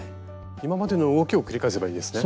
今までの動きを繰り返せばいいですね？